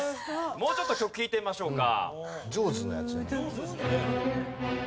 もうちょっと曲聴いてみましょうか。